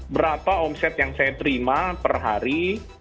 berapa omset yang saya terima per hari